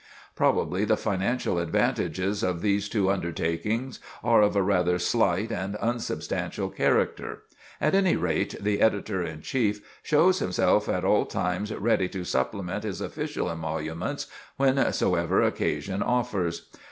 Probably the financial advantages of these two undertakings are of a rather slight and unsubstantial character; at any rate, the editor in chief shows himself at all times ready to supplement his official emoluments whensoever occasion offers.